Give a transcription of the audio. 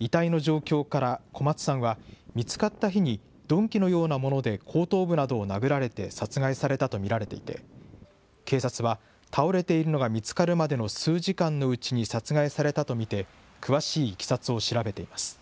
遺体の状況から、小松さんは、見つかった日に鈍器のようなもので後頭部などを殴られて殺害されたと見られていて、警察は、倒れているのが見つかるまでの数時間のうちに殺害されたと見て、詳しいいきさつを調べています。